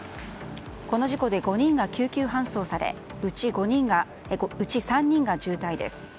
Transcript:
この事故で５人が救急搬送されうち３人が重体です。